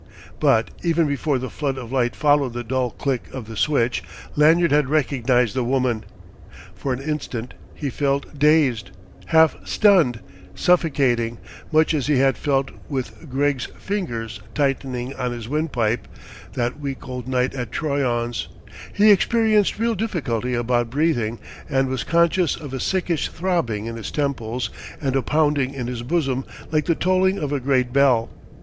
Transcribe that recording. But even before the flood of light followed the dull click of the switch, Lanyard had recognized the woman. For an instant he felt dazed, half stunned, suffocating, much as he had felt with Greggs' fingers tightening on his windpipe, that week old night at Troyon's; he experienced real difficulty about breathing, and was conscious of a sickish throbbing in his temples and a pounding in his bosom like the tolling of a great bell.